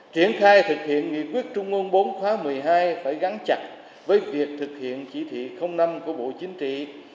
triển khai thực hiện nghị quyết trung ương bốn khóa một mươi hai phải gắn chặt với việc thực hiện chỉ thị năm của bộ chính trị